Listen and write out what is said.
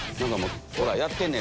ほらやってんねん！